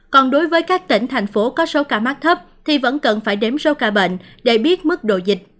còn đối với các tỉnh thành phố có số ca mắc thấp thì vẫn cần phải đếm số ca bệnh để biết mức độ dịch